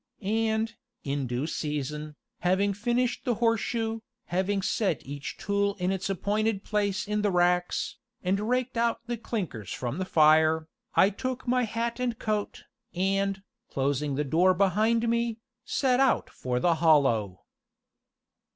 And, in due season, having finished the horseshoe, having set each tool in its appointed place in the racks, and raked out the clinkers from the fire, I took my hat and coat, and, closing the door behind me, set out for the Hollow.